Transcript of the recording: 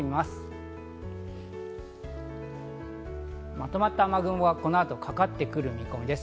まとまった雨雲がこの後かかってくる見込みです。